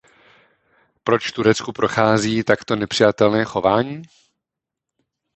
Proč Turecku prochází takto nepřijatelné chování?